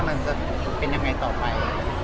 ส่วนข้างหน้ามันจะเป็นยังไงต่อไป